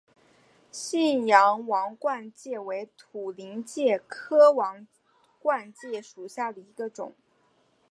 信阳王冠介为土菱介科王冠介属下的一个种。